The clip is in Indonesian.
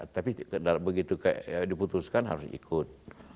tapi begitu diputuskan harus ikut